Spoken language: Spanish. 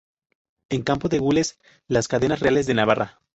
En campo de gules, las Cadenas Reales de Navarra.